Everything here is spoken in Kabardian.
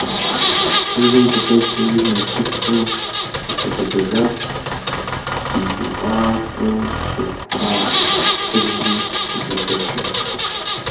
Жыгым дыкъелъэри нартыхум дыхэлъэдэжащ, ди гуфӀакӀэм дэтлъхьа кхъужьри къыдэщэщу.